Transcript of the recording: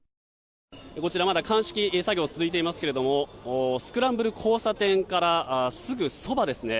こちらまだ鑑識作業が続いていますけれどもスクランブル交差点からすぐそばですね。